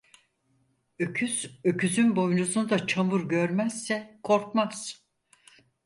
Öküz öküzün boynuzunda çamur görmezse korkmaz.